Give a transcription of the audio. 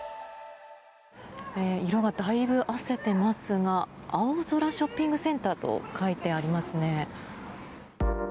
色がだいぶあせてますが青空ショッピングセンターと書いてありますね。